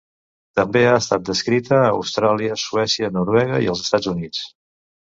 També ha estat descrita a Austràlia, Suècia, Noruega i els Estats Units.